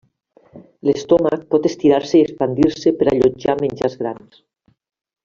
L'estómac pot estirar-se i expandir-se per allotjar menjars grans.